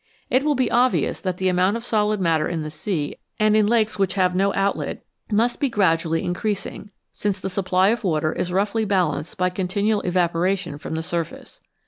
It will be obvious that the amount of solid matter in the sea and in lakes which have no outlet must be gradually increasing, since the supply of water is roughly balanced by continual evaporation from the surface.